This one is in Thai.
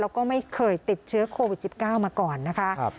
แล้วก็ไม่เคยติดเชื้อโควิด๑๙มาก่อนนะคะ